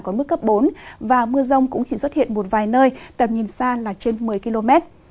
còn mức cấp bốn và mưa rông cũng chỉ xuất hiện một vài nơi tầm nhìn xa là trên một mươi km